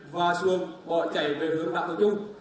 và xuông bỏ chạy về hướng đạo tàu chung